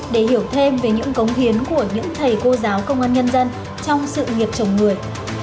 để hiểu thêm về những cống hiến của những thầy cô giáo công an nhân dân trong sự nghiệp chồng người